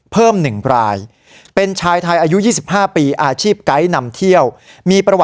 เพิ่ม๑รายเป็นชายไทยอายุ๒๕ปีอาชีพไก๊นำเที่ยว